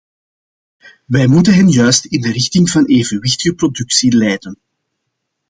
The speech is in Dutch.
Wij moeten hen juist in de richting van evenwichtige producten leiden.